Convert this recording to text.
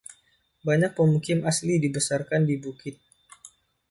Banyak pemukim asli dibesarkan di “bukit”.